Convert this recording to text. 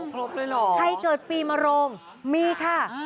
ใครเกิดปีมโรงมีค่ะ